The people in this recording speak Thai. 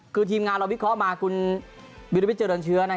คือทีมงานเราวิเคราะห์มาคุณวิรวิทเจริญเชื้อ